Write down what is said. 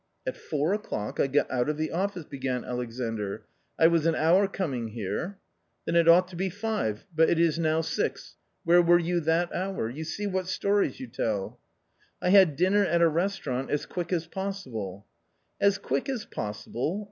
" At four o'clock I got out of the office," began Alexandr ;" I was an hour coming here "" Then it ought to be five, but it is now six. Where were you that hour ? you see what stories you tell !"" I had dinner at a restaurant as quick as possible." " As quick as possible